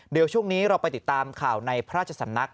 เดี๋ยวช่วงนี้เราไปติดตามข่าวในพระราชสำนัก